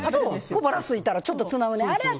小腹すいたらちょっとつまむんや。